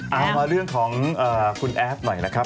เอามาเรื่องของคุณแอฟหน่อยนะครับ